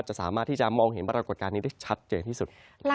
สามารถที่จะมองเห็นปรากฏการณ์นี้ได้ชัดเจนที่สุด